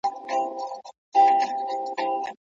ډاکتر ویل چې مېوه د انسان بدن قوي ساتي.